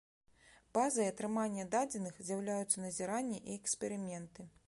Базай атрымання дадзеных з'яўляюцца назіранні і эксперыменты.